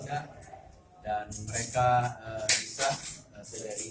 dan saya mengapresiasi tim persit jember